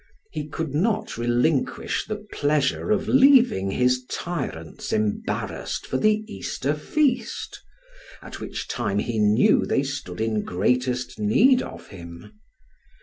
He could not relinquish the pleasure of leaving his tyrants embarrassed for the Easter feast, at which time he knew they stood in greatest need of him.